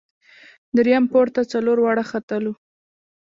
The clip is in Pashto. درییم پوړ ته څلور واړه ختلو.